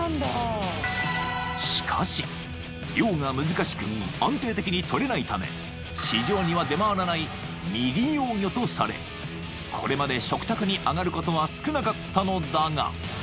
［しかし漁が難しく安定的に取れないため市場には出回らない未利用魚とされこれまで食卓に上がることは少なかったのだが］